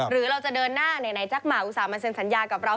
หรือเราจะเดินหน้าไหนจักหมาอุตส่าห์มาเซ็นสัญญากับเรา